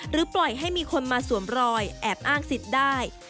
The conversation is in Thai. ปล่อยให้มีคนมาสวมรอยแอบอ้างสิทธิ์ได้